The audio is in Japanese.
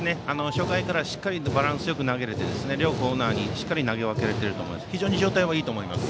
初回からしっかりとバランスよく投げて両コーナーにしっかり投げれていると思います。